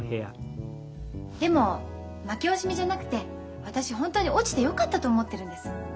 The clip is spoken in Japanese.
でも負け惜しみじゃなくて私ホントに落ちてよかったと思ってるんです。